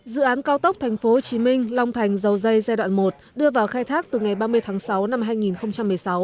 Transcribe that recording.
dự án cao tốc tp hcm long thành dầu dây giai đoạn một đưa vào khai thác từ ngày ba mươi tháng sáu năm